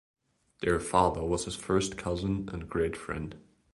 Their father was his first cousin and great friend.